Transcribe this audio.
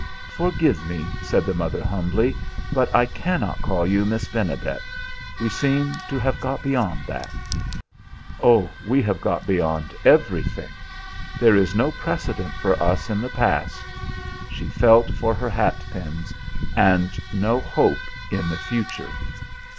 "Forgive me," said the mother humbly; "but I cannot call you 'Miss Benedet.' We seem to have got beyond that." "Oh, we have got beyond everything! There is no precedent for us in the past" she felt for her hat pins "and no hope in the future."